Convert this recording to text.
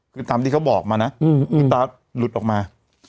คือตามที่เขาบอกมานะคุณตาหลุดออกมา